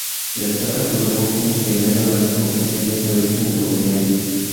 Destaca su labor como pionero en la exportación de este ritmo colombiano.